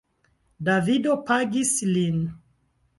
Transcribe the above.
Davido pagis lin.